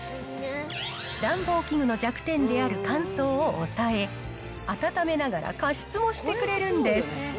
暖房器具の弱点である乾燥を抑え、暖めながら加湿もしてくれるんです。